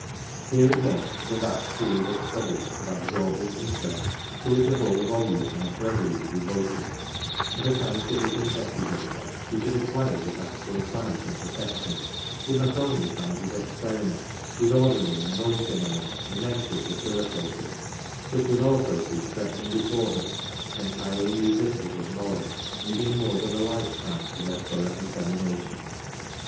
Here again is a vast field of study of absorbing interest to which a whole volume might readily be devoted ; and a scientific investigator who should acquire this astral sight in perfection, would not only find his experiments with ordinary and known phenomena immensely facilitated, but would also see stretching before him entirely new vistas of knowledge needing more than a lifetime for their thorough examination.